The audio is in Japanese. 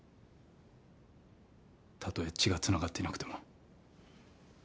たとえ血がつながっていなくても。